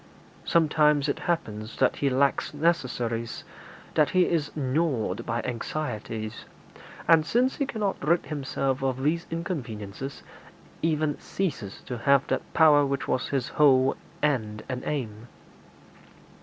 Sometimes it happens that he lacks necessaries, that he is gnawed by anxieties, and, since he cannot rid himself of these inconveniences, even ceases to have that power which was his whole end and aim.